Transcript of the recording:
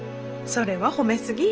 それは褒め過ぎ。